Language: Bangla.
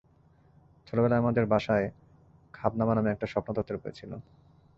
ছোটবেলায় আমাদের বাসায় খাবনামা নামে একটা স্বপ্নতত্ত্বের বই ছিল!